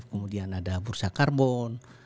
kemudian ada bursa karbon